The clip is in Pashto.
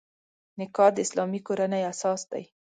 نکاح د اسلامي کورنۍ اساس دی.